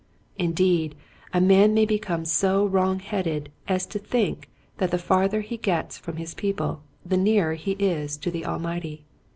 Indeed a man may become so wrong headed as to think that the far ther he gets from his people the nearer he is to the Almighty.